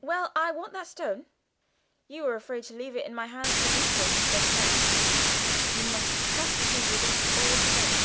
Well, I want that Stone. You were afraid to leave it in my hands for a minute or two just now; you must trust me with it altogether."